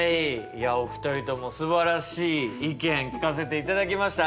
いやお二人ともすばらしい意見聞かせていただきました。